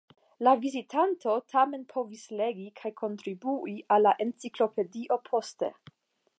La vizitanto tamen povis legi kaj kontribui al la enciklopedio poste.